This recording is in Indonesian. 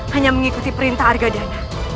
hanya mengikuti perintah arga dana